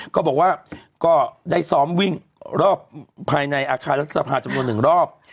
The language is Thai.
ก็บอกว่าก็ได้ซ้อมวิ่งรอบภายในอาคารรัฐสภาจำนวนหนึ่งรอบ